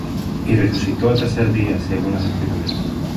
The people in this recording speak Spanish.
y resucitó al tercer día según las Escrituras,